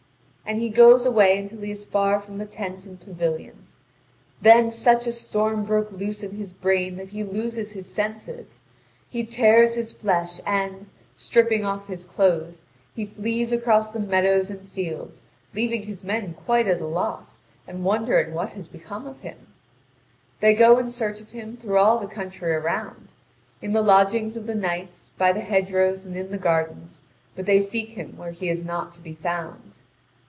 And he goes away until he is far from the tents and pavilions. Then such a storm broke loose in his brain that he loses his senses; he tears his flesh and, stripping off his clothes, he flees across the meadows and fields, leaving his men quite at a loss, and wondering what has become of him. They go in search of him through all the country around in the lodgings of the knights, by the hedgerows, and in the gardens but they seek him where he is not to be found.